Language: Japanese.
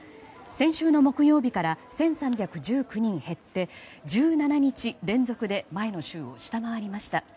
先週の木曜日から１３１９人減って１７日連続で前の週を下回りました。